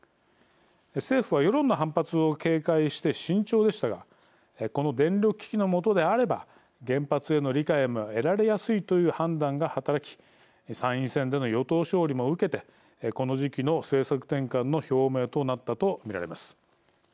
政府は世論の反発を警戒して慎重でしたがこの電力危機の下であれば原発への理解も得られやすいという判断が働き参院選での与党勝利も受けてこの時期の政策転換の表明となったと見られます。